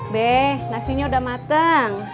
be nasinya udah mateng